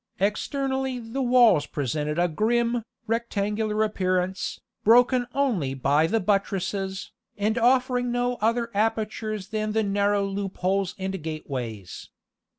Externally the walls presented a grim, regular appearance, broken only by the buttresses, and offering no other apertures than the narrow loopholes and gateways.